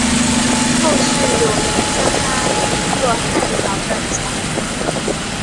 后世有人将他比作汉朝的贾谊。